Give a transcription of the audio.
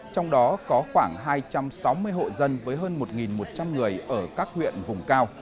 trong đó có khoảng hai trăm sáu mươi hộ dân với hơn một một trăm linh người ở các huyện vùng cao